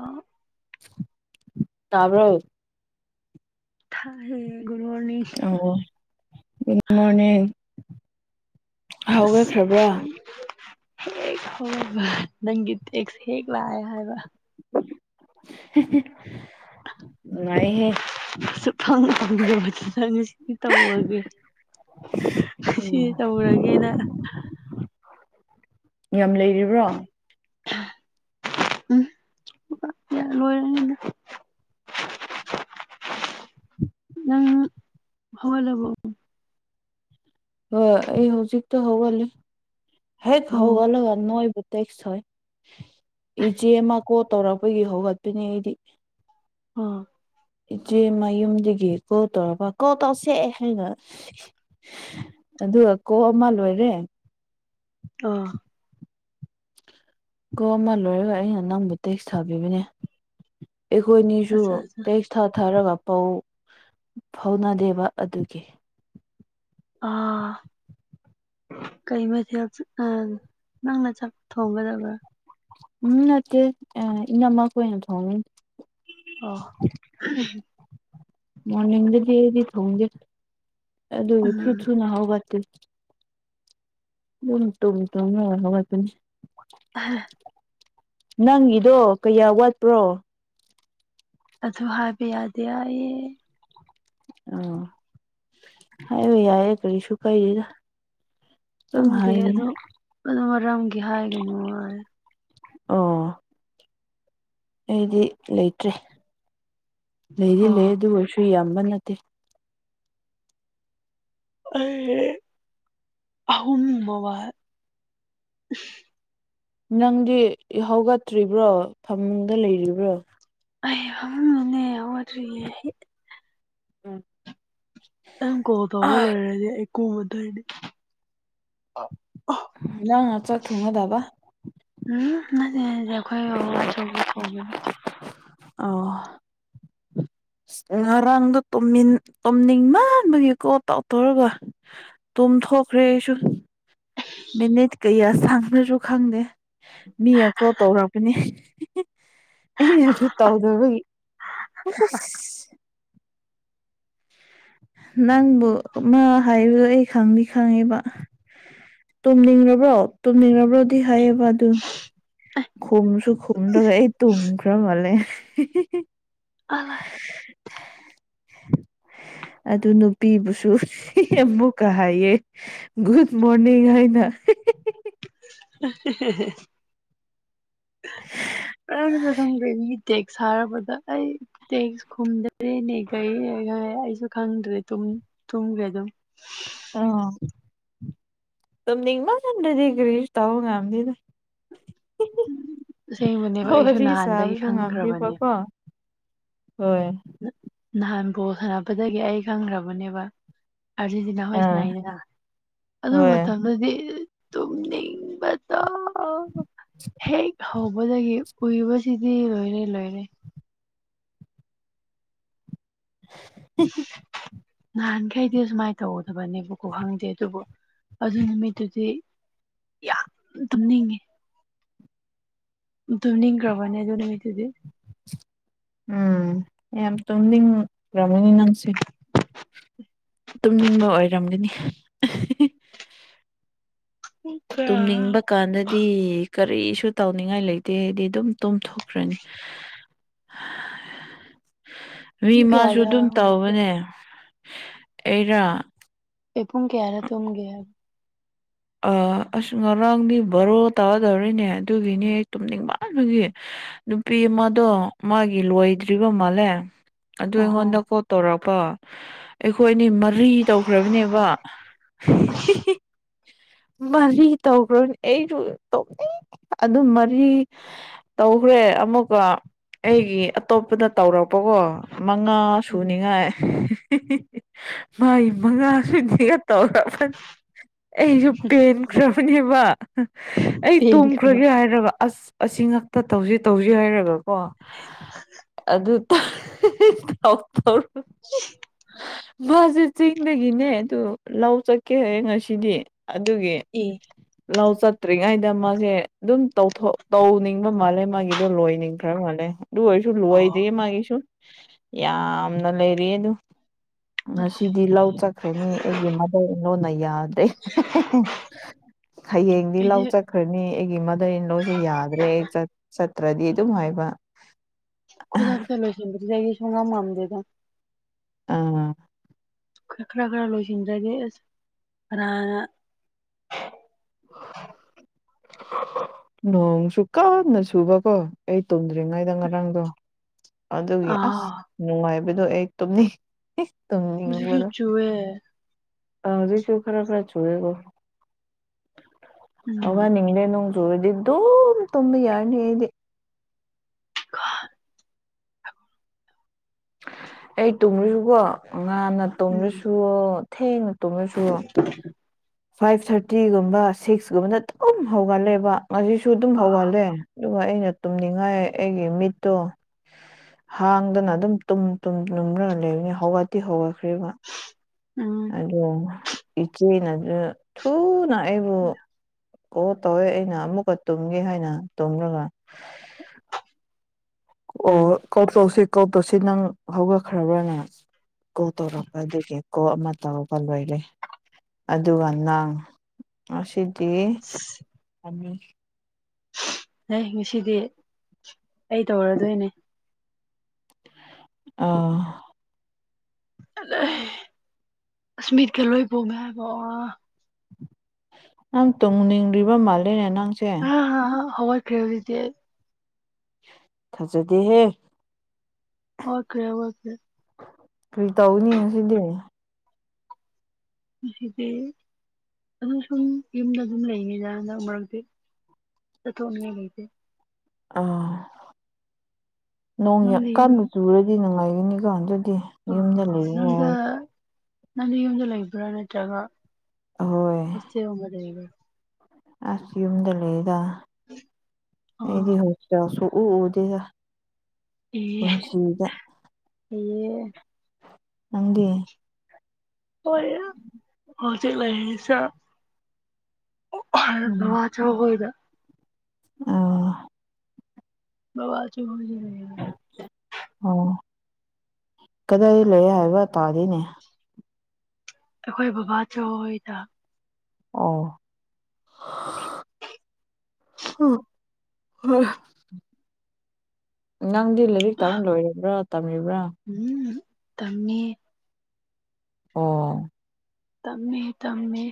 ꯑ ꯇꯥꯕ ꯍꯥꯏ good morning good morning ꯑꯁ ꯍꯧꯒꯠꯈ꯭ꯔꯕ꯭ꯔꯥ ꯍꯦꯒ ꯍꯕ ꯅꯪꯒ ꯇꯦꯦꯛꯁ ꯍꯦꯒ ꯋꯥ ꯍꯥꯏꯕ ꯉꯍꯦ ꯊꯥꯡ ꯐꯪꯗꯪ ꯉꯁꯤꯗꯤ ꯇꯧꯔꯒꯦ ꯁꯤꯁ ꯇꯧꯔꯒꯦꯅ ꯌꯥꯝ ꯂꯩꯔꯤꯕ꯭ꯔꯣ ꯎꯝ ꯂꯣꯏꯔꯅꯤꯗ ꯅꯪ ꯍꯗꯕꯣ ꯍ ꯑꯩ ꯍꯧꯖꯤꯛꯛꯇꯣ ꯍꯒꯜꯂꯤꯦ ꯍꯦꯛ ꯑꯣ ꯍꯒ ꯅꯣꯏꯕꯨ ꯇꯦꯛꯁ ꯍ ꯏꯆꯦ ꯑꯃ ꯀꯣ ꯇꯧꯔꯛꯄꯒꯤ ꯍꯧꯒꯠꯄꯅꯦ ꯑꯩꯗꯤ ꯎꯝ ꯏꯆꯦ ꯃꯌꯨꯝꯗꯒꯤ ꯀꯣꯜ ꯇꯧꯔꯕ ꯀꯣ ꯇꯧꯁꯦ ꯍꯥꯏꯅ ꯑꯗꯨꯒ ꯀꯣꯛ ꯑꯃ ꯂꯣꯏꯔꯦ ꯑꯥ ꯀꯣ ꯑꯃ ꯂꯣꯏꯔꯒ ꯑꯩꯅ ꯅꯪꯕꯨ ꯇꯦꯛꯁ ꯊꯥꯕꯤꯕꯅꯦ ꯑꯩꯈꯣꯏꯅꯤꯁꯨ ꯑꯠꯆꯥ ꯑꯠꯆꯥ ꯇꯦꯛꯁ ꯊꯥꯊꯔꯒ ꯄꯧ ꯐꯥꯎꯅꯗꯦꯕ ꯑꯗꯨꯒꯤ ꯑꯥ ꯀꯩ ꯃꯊꯦꯜ ꯅꯪꯅ ꯆꯥꯛ ꯊꯣꯡꯒꯗꯕ꯭ꯔꯥ ꯎꯝ ꯅꯠꯇꯦ ꯑ ꯏ ꯅꯃ ꯀꯣꯏꯅ ꯊꯣꯡꯉ ꯎ ꯃꯣꯔꯅꯤꯡꯗꯗꯤ ꯑꯩꯗꯤ ꯊꯣꯡꯒꯦ ꯑꯗꯨ ꯁꯨ ꯎꯝ ꯁꯨꯅ ꯍꯧꯕꯠꯇꯦ ꯎꯇꯨ ꯎ ꯇꯨꯔ ꯑꯗꯨꯅꯤ ꯑ ꯅꯪꯒꯤꯗꯣ ꯀꯌꯥ ꯋꯥꯠꯄ꯭ꯔꯣ ꯑꯗꯨ ꯍꯥꯏꯕ ꯌꯥꯗꯦ ꯑꯩꯌꯦ ꯑ ꯍꯥꯏꯕ ꯌꯥꯏꯑꯦ ꯀꯔꯤꯁꯨ ꯀꯥꯏꯔꯤꯗ ꯈꯪꯗꯦ ꯑꯗꯨ ꯀ ꯃꯔꯝꯒꯤ ꯍꯥꯏꯒꯅꯨ ꯑꯣ ꯑꯩꯗꯤ ꯂꯩꯇ꯭ꯔꯦ ꯂꯩꯗꯤ ꯑꯣ ꯂꯩ ꯑꯗꯨ ꯑꯣꯏꯔꯁꯨ ꯌꯥꯝꯕ ꯅꯠꯇꯦ ꯑꯦ ꯑꯍꯟ ꯃ ꯋꯥ ꯅꯪꯗꯤ ꯍꯧꯒꯠꯇ꯭ꯔꯤꯕ꯭ꯔꯣ ꯐꯃꯨꯡꯗ ꯂꯩꯔꯤꯕ꯭ꯔꯣ ꯑꯩꯅꯦ ꯌꯥꯎꯗ꯭ꯔꯔꯤ ꯎꯝ ꯅꯪ ꯀꯣ ꯇꯧꯕ ꯂꯣꯏꯔꯗꯤꯦ ꯑꯩ ꯀꯨꯝꯃꯗꯗꯤ ꯅ ꯆꯊ ꯊꯨꯡꯒ ꯗꯥꯕ ꯎꯝ ꯅꯗꯤ ꯑꯩꯈꯣꯏ ꯑ ꯑꯆꯧꯕꯤ ꯊꯣꯡꯒꯅꯤ ꯑ ꯉꯔꯥꯡꯗꯣ ꯇꯨꯝꯅꯤꯡ ꯃꯥꯟꯕꯒꯤꯀꯣ ꯇꯥꯎꯊꯔꯒ ꯇꯨꯝ ꯊꯣꯛꯈ꯭ꯔꯦ ꯑꯩꯁꯨ ꯃꯦꯅꯦꯠ ꯀꯌꯥ ꯁꯥꯡꯈ꯭ꯔꯁꯨ ꯈꯪꯗꯦ ꯃꯤ ꯑꯀꯣ ꯇꯧꯔꯛꯄꯅꯤ ꯑꯩ ꯑꯗꯨ ꯇꯧꯗꯕꯒꯤ ꯅꯪꯕꯨ ꯃꯥ ꯍꯥꯏꯔꯣ ꯑꯩ ꯈꯪꯅꯤ ꯈꯪꯉꯦꯕ ꯇꯨꯝꯅꯤꯡꯕ꯭ꯔꯣ ꯇꯨꯝꯅꯤꯡꯕ꯭ꯔꯣꯗꯤ ꯍꯥꯏꯌꯦꯕ ꯑꯗꯨ ꯈꯨꯝꯁꯨ ꯈ ꯎꯗ ꯑꯩ ꯇꯨꯡꯈ꯭ꯔ ꯃꯥꯜꯂꯦ ꯑꯜ ꯑꯗꯨ ꯅꯨꯄꯤꯕꯨꯁꯨ ꯌꯥꯝꯕꯨꯀꯥ ꯍꯥꯏꯌꯦ ꯨꯗ ꯃꯣꯔꯅꯤꯡ ꯍꯥꯏꯅ ꯑꯍꯤ ꯍꯦ [inaudible] ꯀꯔꯅꯁꯨ ꯈꯪꯒ꯭ꯔꯦ ꯃꯤꯒꯤ ꯇꯦꯛ ꯍꯥꯏꯔꯕꯗ ꯑꯩ ꯇ ꯈꯨꯝꯗꯦꯅꯦ ꯀꯩ ꯑꯩꯁꯨ ꯈꯪꯗ꯭ꯔꯦ ꯇꯨꯝ ꯊꯨꯡꯣꯡꯒꯦ ꯑꯗꯨꯣ ꯑꯥ ꯇꯝꯅꯤ ꯃꯥ ꯊꯗꯗꯤ ꯀꯔꯤꯁ ꯇ ꯉꯅꯤꯗ ꯑꯁꯦꯡꯕꯅꯦꯕ ꯍ ꯑꯩꯁꯨ ꯁꯥꯕ ꯅꯍꯥꯟꯗꯒꯤ ꯊ ꯃꯥꯝꯃꯃꯤ ꯈꯪꯈ꯭ꯔꯕꯅꯦ ꯄꯄꯣ ꯍꯣꯏ ꯅꯍꯥꯟꯕꯨꯣ ꯁꯥꯟꯅꯕꯗꯒꯤ ꯑꯩ ꯈꯪꯈ꯭ꯔꯕꯅꯦꯕ ꯑꯥꯔꯖꯦꯟꯇꯤꯅꯥ ꯍꯣꯏ ꯑꯥ ꯁꯅꯥꯏꯗꯅ ꯑꯗꯨ ꯍꯣꯏ ꯃꯇꯝꯗꯨꯗꯤ ꯇꯨꯝꯅꯤꯡꯕꯗꯣ ꯍꯦꯛ ꯍꯧꯕꯗꯒꯤ ꯎꯏꯕꯁꯤ ꯂꯣꯏꯔꯦ ꯂꯣꯏꯔꯦ [unintelligible] ꯅꯍꯥꯟꯈꯩꯗꯤ ꯑꯁꯨꯃꯥꯏꯅ ꯇꯧꯒꯗꯕꯅꯦꯕꯀꯣ ꯈꯪꯗꯦ ꯑꯗꯨꯕꯨ ꯑꯗꯨ ꯅꯨꯃꯤꯠꯇꯨꯗꯤ ꯌꯥꯝ ꯇꯝꯅꯤꯡꯉꯦ ꯇꯨꯝ ꯅꯤꯡꯈ꯭ꯔꯕꯅꯦ ꯑꯗꯨ ꯅꯨꯃꯤꯠꯇꯨꯗꯤ ꯎꯝ ꯌꯥꯝ ꯇ ꯔꯃꯤꯅꯤ ꯅꯪꯁꯤ ꯇꯨꯝꯅꯤꯡꯕ ꯑꯣꯏꯔꯝꯒꯅꯤ ꯇꯨꯝꯅꯤꯡꯕ ꯀꯥꯟꯗ ꯗꯤ ꯀꯔꯤꯁꯨ ꯇꯧꯅꯤꯡꯉꯥꯏ ꯂꯩꯇꯦ ꯍꯥꯏꯗꯤ ꯑꯗꯨꯝ ꯇꯨꯝꯊꯣꯛꯈ꯭ꯔꯅꯤ [inaudible] ꯃꯤ ꯄꯨꯡ ꯃꯥꯁꯨ ꯀꯌꯥꯗ ꯑꯗꯨꯝ ꯍꯧꯒꯦ ꯇꯧꯕꯅꯦ ꯑꯩꯅ ꯑꯦꯨꯡ ꯀꯦꯌꯥꯔꯥ ꯇꯝꯒꯦ ꯑ ꯑꯁ ꯉꯔꯥꯡꯗꯤ ꯕꯣꯔꯣ ꯇꯥꯗꯧꯔꯤꯅꯦ ꯑꯗꯨꯒꯤꯅꯦ ꯑꯩ ꯇꯨꯝꯅꯤꯡꯕꯥꯕꯒꯤ ꯅꯨꯄꯤ ꯑꯃꯗꯣ ꯃꯥꯒꯤ ꯂꯣꯏꯗ꯭ꯔꯤꯕ ꯃꯥꯜꯂꯦ ꯑꯗꯨ ꯑꯍꯣ ꯑꯩꯉꯣꯟꯗ ꯀꯣꯜ ꯇꯧꯔꯛꯄ ꯑꯩꯈꯣꯏꯅꯤ ꯃꯔꯤ ꯇꯧꯈ꯭ꯔꯕꯅꯦꯕ ꯃꯔꯤ ꯇꯧꯈ꯭ꯔꯣꯅꯦ ꯑꯩꯁꯨ ꯇꯧ ꯑꯗꯨ ꯃꯔꯤ ꯇꯧꯈ꯭ꯔꯦ ꯑꯃꯨꯛꯀ ꯑꯩꯒꯤ ꯑꯇꯣꯞꯄꯗ ꯇꯧꯔꯛꯄꯀꯣ ꯃꯉꯥ ꯎꯝ ꯁꯨꯅꯤꯉꯥꯏ ꯃꯥꯏ ꯃꯉꯥꯁꯨꯅꯤꯒ ꯇꯧꯔꯒ ꯐ ꯑꯩꯁꯨ ꯄꯦꯟꯈ꯭ꯔꯕꯅꯦꯕ ꯑꯩ ꯄꯦꯟꯈ꯭ꯔꯕ ꯇꯨꯝꯈ꯭ꯔꯒꯦ ꯍꯥꯏꯔꯕ ꯑꯁ ꯑꯁꯤ ꯉꯥꯛꯛꯇ ꯇꯧꯁꯤ ꯇꯧꯁꯤ ꯍꯥꯏꯔꯒꯀꯣ ꯑꯗꯨ ꯇꯥꯎꯊꯔ [unintelligible] ꯃꯥꯁꯦ ꯆꯤꯡꯗꯒꯤꯅꯦ ꯑꯗꯨ ꯂꯧ ꯆꯠꯀꯦ ꯍꯌꯦ ꯉꯁꯤꯗꯤ ꯑꯗꯨꯒꯤ ꯑꯦ ꯂꯧ ꯆꯠꯇ꯭ꯔꯤꯉꯥꯏꯗ ꯃꯖꯦ ꯑꯗꯨꯝ ꯇꯧꯊꯣꯛ ꯇꯧꯅꯤꯡꯕ ꯃꯥꯜꯂꯦ ꯃꯥꯒꯤꯗꯣ ꯂꯣꯏꯅꯤꯡ ꯈꯔ ꯃꯥꯜꯂꯦ ꯑꯗꯨ ꯑꯣꯏꯁꯨ ꯑꯣ ꯂꯣꯏꯗꯦꯌꯦ ꯃꯥꯒꯤꯁꯨ ꯌꯥꯝꯅ ꯂꯩꯔꯤ ꯑꯗꯨ ꯉꯁꯤꯗꯤ ꯂꯧ ꯆꯠꯈ꯭ꯔꯅꯤ ꯑꯩꯒꯤ ꯃꯙꯔ ꯏꯟꯂꯣꯅ ꯌꯥꯗ ꯍꯌꯦꯡꯗꯤ ꯂꯧ ꯑꯩꯗꯤ ꯆꯠ ꯆꯠꯈ꯭ꯔꯅꯤ ꯑꯩꯒꯤ ꯃꯙꯩꯂꯣꯁꯦ ꯌꯥꯗ꯭ꯔꯦ ꯑꯩ ꯆꯠꯇ꯭ꯔꯗꯤ ꯑꯗꯨꯝ ꯍꯥꯏꯕ ꯈꯨꯗꯥ ꯀ ꯆꯂꯣ ꯁ ꯁꯉ ꯃꯥꯡꯗ ꯑꯥ ꯈꯔ ꯈꯔ ꯈꯔ ꯂꯣꯏꯁꯤꯟꯖ꯭ꯔꯒꯦ ꯑꯁ ꯈꯔꯅ ꯅꯣꯡ ꯁꯨꯀꯥ ꯋꯥꯗ ꯅ ꯁꯨꯕꯀꯣ ꯑꯩ ꯇꯨꯝꯗ꯭ꯔꯤꯉꯩꯗ ꯉꯔꯥꯡꯗꯣ ꯑꯗꯨꯒꯤ ꯑ ꯑꯁ ꯅꯨꯡꯉꯥꯏꯕꯗꯣ ꯑꯩ ꯇꯨꯝꯅꯤꯡ ꯍꯧꯖꯤꯛꯁꯨ ꯇꯨꯝꯅꯤꯡꯕꯗꯣ ꯆꯨꯋꯦ ꯑꯗ ꯀꯣ ꯈꯔ ꯈꯔꯆꯒꯦꯒꯣ ꯎꯝ ꯑꯋꯥ ꯅꯤꯡꯗꯦ ꯅꯪ ꯌꯣꯨꯔꯗꯗꯨꯣ ꯇꯨꯝꯝꯕ ꯌꯥꯔꯅꯦꯗꯤ [inaudible] ꯑꯩ ꯇꯨꯝꯂꯖꯨꯀꯣ ꯉꯥꯅ ꯎꯝ ꯇꯨꯝꯔꯁꯨ ꯊꯦꯡꯅ ꯇꯨꯝꯔꯁꯨ ꯐꯥꯏꯚ ꯊꯥꯔꯇꯤꯒꯨꯝꯕ ꯁꯤꯛꯁ ꯒꯨꯝꯕꯗ ꯑꯗꯨꯝ ꯍꯧꯒꯜꯂꯦꯕ ꯉꯁꯤꯁꯨ ꯑꯗꯨꯝ ꯑ ꯍꯧꯒꯜꯂꯦ ꯑꯗꯨꯒ ꯑꯩꯅ ꯇꯨꯝꯅꯤꯡꯉꯥꯏ ꯑꯩꯒꯤ ꯃꯤꯠꯇꯣ ꯍꯥꯡꯗꯅ ꯑꯗꯨꯝ ꯇꯨꯝ ꯇꯨꯝ ꯇꯨꯝꯔꯒ ꯂꯩꯕꯅꯤ ꯍꯧꯒꯠꯇꯤ ꯍꯧꯒꯠꯈ꯭ꯔꯦꯕ ꯎꯝ ꯗꯣꯡ ꯏꯆꯦꯅꯗ ꯊꯨꯅ ꯑꯩꯕꯨ ꯑꯣ ꯇꯧꯋꯦ ꯑꯩꯅ ꯑꯃꯨꯛꯀ ꯇꯨꯝꯒꯦ ꯍꯥꯏꯅ ꯇꯨꯝꯔꯒ ꯑꯣ ꯎꯝ ꯀꯣꯛ ꯆꯧꯁꯤ ꯀꯣꯛ ꯇꯣꯁꯤ ꯅꯪ ꯍꯧꯒꯈ꯭ꯔꯕ꯭ꯔꯥ ꯅ ꯀꯣꯜ ꯇꯧꯔꯝꯄ ꯑꯗꯨꯒꯤꯟ ꯀꯣ ꯑꯃ ꯇꯧꯔꯛꯄ ꯂꯣꯏꯔꯦ ꯑꯗꯨꯒ ꯅꯥꯡ ꯑꯁꯤ ꯇꯤ ꯑꯅꯤ ꯑꯩ ꯉꯁꯤꯗꯤ ꯑꯩ ꯇꯧꯔꯗꯣꯏꯅꯦ ꯑꯥ ꯑꯁꯃꯤꯠ ꯀ ꯂꯣꯏ ꯄꯣꯃꯦ ꯍꯥꯏꯕ ꯑ ꯅꯪ ꯇꯨꯡꯅꯤꯡꯔꯤꯕ ꯃꯥꯜꯂꯦꯅꯦ ꯅꯪꯁ ꯑ ꯍꯥ ꯍꯧꯒꯠꯈꯔꯦ ꯍꯣꯖꯤꯛꯇꯤ ꯑꯩ ꯊꯖꯗꯤꯍꯦ ꯑꯣꯛꯈꯔꯦ ꯍꯧꯒꯠꯀꯦ ꯀꯔꯤ ꯇꯧꯒꯅꯤ ꯉꯁꯤꯗꯤ ꯃꯁꯤꯗꯤ ꯑꯗꯨ ꯁꯨꯝ ꯌꯨꯝꯗ ꯑꯗꯨꯝ ꯂꯩꯅꯤꯅ ꯍꯟꯗꯛ ꯃꯔꯛꯇꯤ ꯆꯊꯣꯛꯅꯤꯡꯉꯥꯏ ꯂꯩꯗꯦ ꯑꯥ ꯅꯪꯗꯤ ꯌꯨꯝ ꯅꯣꯡꯌꯀꯥꯟꯗ ꯆꯨꯔꯗꯤ ꯅꯨꯡꯉꯥꯏꯒꯅꯤꯒ ꯑꯗꯨꯗꯤ ꯑ ꯌꯨꯝꯗ ꯂꯩ ꯅꯪꯗ ꯌꯥꯏ ꯅꯪꯗꯤ ꯌꯨꯟꯗ ꯂꯩꯕ꯭ꯔꯥ ꯅꯠꯇ꯭ꯔꯒ ꯑꯍꯣꯏ ꯍꯣꯁꯇꯦꯜ ꯒꯨꯝꯕꯗ ꯂꯩꯕ꯭ꯔꯥ ꯑꯁ ꯌꯨꯝꯗ ꯂꯩꯌꯦꯗ ꯑꯣ ꯑꯩꯗꯤ ꯍꯣꯁꯇꯦꯜ ꯁꯨꯛꯎ ꯎꯗꯦꯗ ꯏ ꯄꯨꯟꯁꯤꯗ ꯑꯦ ꯅꯪꯒꯤ ꯑꯣꯏꯌ ꯍꯣꯖꯤꯛ ꯂꯩꯔꯤꯉꯩꯁꯤꯌ ꯑꯣ ꯍꯜꯗꯨꯋꯥꯟ ꯁꯨ ꯍꯣꯏꯗ ꯑ ꯕꯕꯥꯆꯨ [inaudible] ꯑꯣ ꯀꯗꯥꯏ ꯂꯩꯌꯦ ꯍꯥꯏꯕ ꯇꯥꯗꯤꯅꯦ ꯑꯩꯈꯣꯏ ꯕꯕꯥꯆꯧ ꯍꯣꯏꯗ ꯑꯣ ꯍ ꯅꯪꯗꯤ ꯂꯥꯏꯔꯤꯛ ꯇꯃ ꯂꯣꯏꯔꯤꯕ꯭ꯔꯥ ꯇꯝꯔꯤꯕ꯭ꯔꯥ ꯎꯝ ꯇꯃꯦ ꯑꯣ ꯇꯝꯃꯦ ꯇꯝꯃꯦ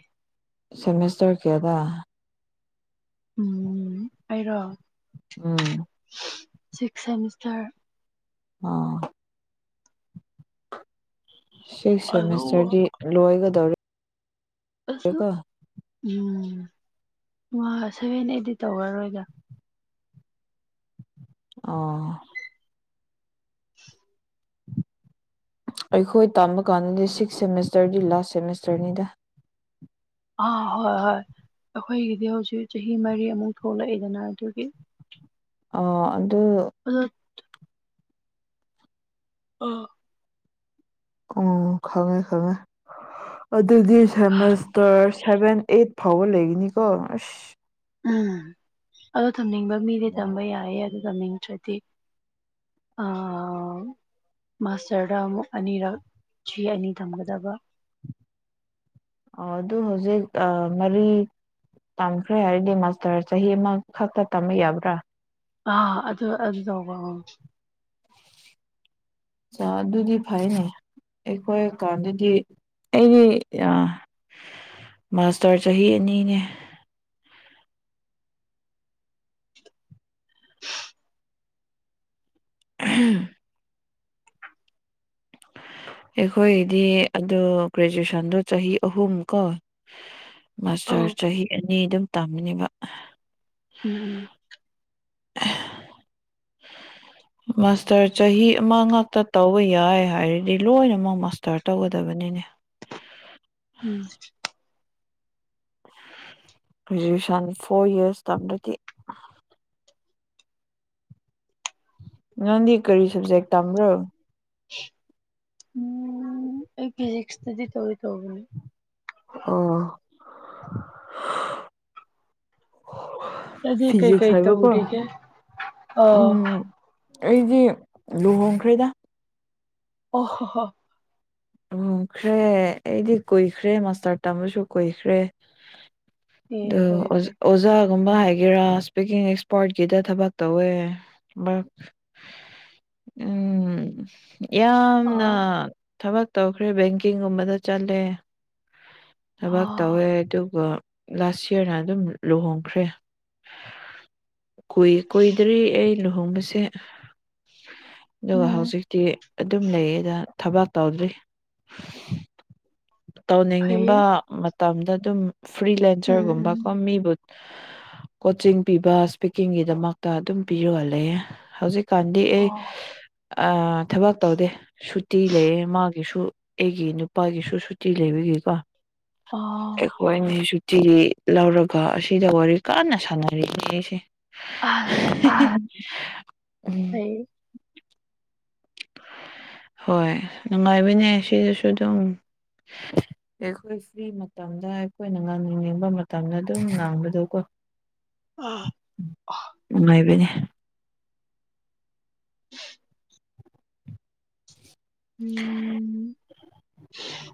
ꯁꯦꯃꯤꯁꯇꯔ ꯀꯗ ꯎꯝ ꯑꯩꯔꯣ ꯎꯝ ꯁꯤꯛ ꯁꯦꯃꯤꯁꯇꯔ ꯑꯥ ꯁꯤꯛꯁ ꯑꯗꯨꯒ ꯁꯦꯃꯤꯁꯇꯔꯗꯤ ꯂꯣꯏꯒꯗꯧꯔ‌ꯦ ꯑꯁꯅ ꯎꯝ ꯃꯥ ꯁ‌ꯦꯚ‌ꯦꯟ ꯑꯦꯠꯇꯤ ꯇꯧꯔꯔꯣꯏꯗ ꯑꯣ [unintelligible] ꯑꯩꯈꯣꯏ ꯇꯥꯝꯕ ꯀꯥꯟꯗꯗꯤ ꯁꯤꯛꯁ ꯁꯦꯃꯤꯁꯇꯔꯗꯤ ꯂꯥꯁ ꯁꯦꯃꯤꯁꯇꯔꯅꯤꯗ ꯑꯥ ꯍꯣꯏ ꯍꯣꯏ ꯑꯩꯈꯣꯏꯒꯤꯗꯤ ꯍꯧꯖꯤꯛ ꯆꯍꯤ ꯃꯔꯤ ꯑꯃꯨꯛ ꯊꯣꯛꯂꯛꯏꯗꯅ ꯑꯗꯨꯒꯤ ꯑ ꯑꯗꯨ ꯑꯗ‌ꯣ ꯑꯥ ꯑꯣ ꯈꯪꯉꯦ ꯈꯪꯉꯦ ꯑꯗꯨꯗꯤ ꯁꯦꯃꯦꯁꯇꯔ ꯁꯦꯚꯦꯟ ꯑꯩꯠ ꯐꯥꯎꯕ ꯂꯩꯒꯅꯤꯀꯣ ꯑꯁ ꯎꯝ ꯑꯗꯣ ꯇꯝꯅꯤꯡꯕ ꯃꯤꯗꯤ ꯇꯝꯕ ꯌꯥꯏꯌꯦ ꯑꯗꯨ ꯇꯝꯅꯤꯡꯗ꯭ꯔꯗꯤ ꯑ ꯃꯥꯁꯇꯔꯗ ꯑꯃꯨꯛ ꯑꯅꯤꯔꯛ ꯆꯍꯤ ꯑꯅꯤ ꯊꯝꯒꯗꯕ ꯑꯣ ꯑꯗꯨ ꯍꯧꯖꯤꯛ ꯑꯥ ꯃꯔꯤ ꯇꯝꯈ꯭ꯔꯦ ꯍꯥꯏꯔꯗꯤ ꯃꯥꯁꯇꯔ ꯆꯍꯤ ꯑꯃ ꯈꯛꯇ ꯇꯝꯕ ꯌꯥꯕ꯭ꯔꯥ ꯑ ꯑꯗꯨ ꯑꯗꯨ ꯇꯧꯕ ꯆꯥ ꯑꯗꯨꯗꯤ ꯐꯩꯌ‌ꯦꯅ‌ꯦ ꯑꯩꯈꯣꯏ ꯀꯥꯟꯗꯗꯤ ꯑꯩꯗꯤ ꯑꯥ ꯃꯥꯁꯇꯔ ꯆꯍꯤ ꯑꯅꯤꯅꯦ [unintelligible] [unintelligible] ꯑꯩꯈꯣꯏꯒꯤꯗꯤ ꯑꯗ‌ꯣ ꯒ꯭ꯔꯦꯖꯨꯑꯦꯁꯟꯗꯣ ꯆꯍꯤ ꯑꯍꯨꯝ ꯀꯣ ꯃꯥꯁꯇꯔ ꯆꯍꯤ ꯑꯅꯤ ꯑꯗꯨꯝ ꯇꯝꯕꯅꯦꯕ ꯎꯝ ꯎꯝ [unintelligible] ꯃꯥꯁꯇꯔ ꯆꯍꯤ ꯑꯃ ꯉꯛꯇ ꯇꯧꯕ ꯌꯥꯏ ꯍꯥꯏꯔꯗꯤ ꯂꯣꯏꯅꯃꯛ ꯃꯥꯁꯇꯔ ꯇꯧꯒꯗꯕꯅꯤꯅꯦ ꯎꯝ [unintelligible] ꯒ꯭ꯔꯦꯖꯨꯑꯌꯦꯁꯟ ꯐꯣꯔ ꯏꯌꯔꯁ ꯇꯝꯔꯗꯤ ꯅꯪꯗꯤ ꯀꯔꯤ ꯁꯕꯖꯦꯛ ꯇꯝꯕ꯭ꯔꯣ ꯎꯝ ꯑꯩ ꯐꯤꯖꯤꯛꯁ ꯇꯗꯤ ꯇꯧꯒ‌ꯦ ꯇꯧꯕꯅꯤ ꯑꯣ ꯑꯗꯨꯗꯤ ꯐꯤꯖꯤꯛꯁ ꯀꯩꯀꯩ ꯍꯥꯏꯕ ꯀꯣ ꯇꯧꯔꯤꯒꯦ ꯑ ꯑꯣ ꯎꯝ ꯑꯩꯗꯤ ꯂꯨꯍꯣꯡꯈ꯭ꯔꯦꯗ ꯑꯣ ꯍꯣ ꯍꯣ ꯂꯨꯍ‌ꯣꯡꯈ꯭ꯔꯦ ꯑꯩꯗꯤ ꯀꯨꯏꯈ꯭ꯔꯦ ꯃꯥꯁꯇꯔ ꯇꯝꯕꯁꯨ ꯀꯨꯏꯈ꯭ꯔꯦ ꯗꯨ ꯑꯦ ꯐꯔꯦ ꯑꯣꯖꯥ ꯐꯔꯦ ꯑꯣꯖꯥ ꯒꯨꯝꯕ ꯍꯥꯏꯒꯦꯔꯥ ꯏꯁꯄꯤꯀꯤꯡ ꯑꯦꯛꯁꯄꯔꯥꯠꯀꯤꯗ ꯊꯕꯛ ꯇꯧꯋꯦ ꯎꯝ ꯑ ꯌꯥꯝꯅ ꯊꯕꯛ ꯇꯧꯈ꯭ꯔꯦ ꯕꯦꯡꯀꯤꯡꯒꯨꯝꯕꯗ ꯆꯠꯂꯦ ꯊꯕꯛ ꯑꯥ ꯇꯧꯋꯦ ꯑꯗꯨꯒ ꯂꯥꯁ ꯏꯌꯥꯔꯅ ꯑꯗꯨꯝ ꯂꯨꯍꯣꯡꯈ꯭ꯔꯦ ꯀꯨꯏ ꯀꯨꯏꯗ꯭ꯔꯤ ꯑꯩ ꯂꯨꯍꯣꯡꯕꯁꯦ ꯑꯗꯨꯒ ꯎꯝ ꯍꯧꯖꯤꯛꯇꯤ ꯑꯗꯨꯝ ꯂꯩꯌꯦꯗ ꯊꯕꯛ ꯇꯧꯗ꯭ꯔꯤ ꯐꯩꯌꯦ ꯇꯧꯅꯤꯡꯉꯤꯕ ꯃꯇꯝꯗ ꯑꯗꯨꯝ ꯎꯝ ꯐ꯭ꯔꯤꯂꯦꯟꯆꯔꯒꯨꯝꯕ ꯎꯝ ꯀꯣ ꯃꯤꯕꯨ ꯀꯣꯆꯤꯡ ꯄꯤꯕ ꯏꯁꯄꯤꯀꯤꯡꯒꯤꯗꯃꯛꯇ ꯑꯗꯨꯝ ꯄꯤꯔꯒ ꯂꯩꯌ‌ꯦ ꯍꯧꯖꯤꯛ ꯀꯥꯟꯗꯤ ꯑꯩ ꯑꯣ ꯑꯥ ꯊꯕꯛ ꯇꯧꯗꯦ ꯁꯨꯇꯤ ꯂꯩꯌꯦ ꯃꯥ ꯒꯤꯁꯨ ꯑꯩꯒꯤ ꯅꯨꯄꯥꯒꯤꯁꯨ ꯁꯨꯇꯤ ꯂꯩꯕꯤꯒꯤꯀꯣ ꯑ ꯑꯩꯈꯣꯏꯅ ꯁꯨꯇꯤ ꯂꯧꯔꯒ ꯑꯁꯤꯗ ꯋꯥꯔꯤ ꯀꯥꯟꯅ ꯁꯥꯟꯅꯔꯛꯏ ꯑꯩꯁꯦ ꯑꯥ ꯎꯝ ꯎ ꯍꯣꯏ ꯅꯨꯡꯉꯥꯏꯕꯅꯦ ꯁꯤꯗꯁꯨ ꯑꯗꯨꯝ [unintelligible] ꯑꯩꯈꯣꯏ ꯐ꯭ꯔꯤ ꯃꯇꯝꯗ ꯑꯩꯈꯣꯏꯅ ꯉꯥꯡꯅꯤꯡꯅꯤꯡꯕ ꯃꯇꯝꯗ ꯑꯗꯨꯝ ꯉꯥꯡꯕꯗꯣ ꯀꯣ ꯑ ꯉꯉꯥꯏꯕꯅꯦ ꯎꯝ ꯎꯝ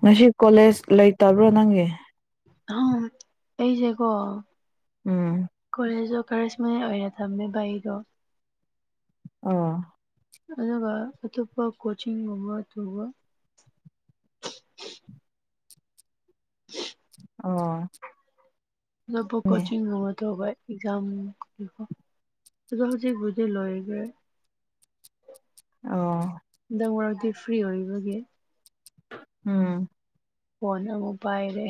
ꯉꯁꯤ ꯀꯣꯂꯦꯖ ꯂꯩꯇꯕ꯭ꯔꯣ ꯅꯪꯒꯤ ꯍ ꯑꯩꯁꯦꯀꯣ ꯎꯝ ꯀꯣꯂꯦꯖꯇꯣ ꯀꯔꯦꯁ ꯃꯌꯥ ꯑꯣꯏꯅ ꯊꯝꯃꯦ ꯕꯥꯩꯗꯣ ꯑꯣ ꯑꯗꯨꯒ ꯑꯇꯣꯞꯄ ꯀꯣꯆꯤꯡꯒꯨꯝꯕ ꯑꯇꯣ ꯍ ꯑꯣ ꯑꯄ ꯀꯣꯆꯤꯡꯒꯨꯝꯕ ꯇꯧꯕꯥꯏ ꯝ ꯁꯖ ꯁꯨꯖꯤ ꯗꯤ ꯂꯣꯏꯒꯦ ꯑꯣ ꯗꯪ ꯋꯥꯔꯗꯤ ꯐ꯭ꯔꯤ ꯑꯣꯏꯕꯒꯤ ꯎꯝ ꯐꯣꯟ ꯑꯃꯨꯛ ꯄꯥꯏꯔꯦ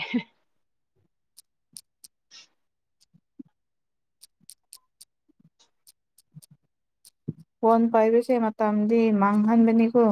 ꯐꯣꯟ ꯄꯥꯏꯕꯁꯦ ꯃꯇꯝꯗꯤ ꯃꯥꯡꯍꯟꯕꯅꯤꯀꯣ